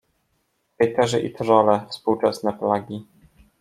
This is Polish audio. Hejterzy i trolle - współczesne plagi.